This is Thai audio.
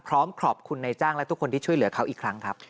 พร้อมขอบคุณในจ้างและทุกคนที่ช่วยเหลือเขาอีกครั้งครับ